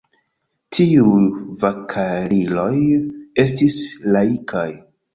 Tiuj kavaliroj estis laikaj.